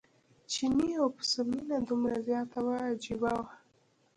د چیني او پسه مینه دومره زیاته وه عجیبه وه.